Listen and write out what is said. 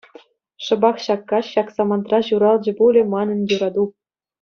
Шӑпах ҫак каҫ, ҫак самантра ҫуралчӗ пулӗ манӑн юрату.